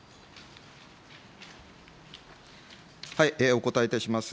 お答えいたします。